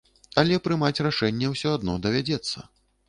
Але прымаць рашэнне ўсё адно давядзецца.